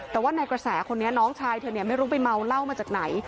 แต่ว่าในกระแสคนนี้น้องชายเธอเนี่ยไม่รู้ไปเมาเหล้ามาจากไหน